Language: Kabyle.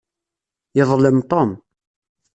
Yeḍlem Tom.